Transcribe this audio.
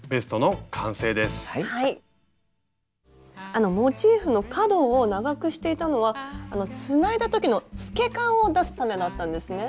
あのモチーフの角を長くしていたのはあのつないだ時の透け感を出すためだったんですね。